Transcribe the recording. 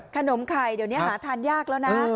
ขนมไข่เดี๋ยวนี้หาทานยากแล้วนะ